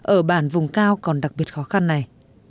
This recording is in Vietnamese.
ở bản vùng cao còn đặc biệt khó khăn này